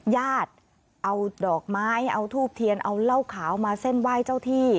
ญาติเอาดอกไม้เอาทูบเทียนเอาเหล้าขาวมาเส้นไหว้เจ้าที่